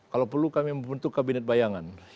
kalau perlu kami membentuk kabinet bayangan